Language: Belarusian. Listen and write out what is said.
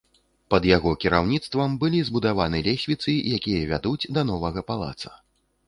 Пад яго кіраўніцтвам былі збудаваны лесвіцы, якія вядуць да новага палаца.